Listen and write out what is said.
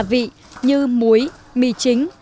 vị như muối mì chính